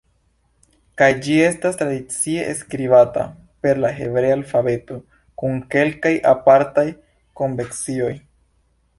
Kaj ĝi estas tradicie skribata per la hebrea alfabeto, kun kelkaj apartaj konvencioj.